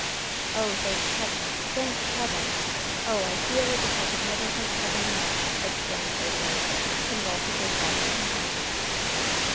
"Oh, thank Heaven! Thank Heaven! Oh, I feel as if I could never thank Heaven enough!" exclaimed Odalite, convulsively clasping her hands.